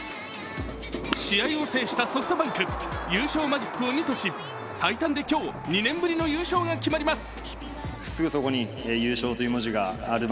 試合を制したソフトバンク優勝マジックを２とし最短で今日、２年ぶりの優勝が決まります。